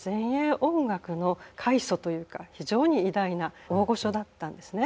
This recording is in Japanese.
音楽の開祖というか非常に偉大な大御所だったんですね。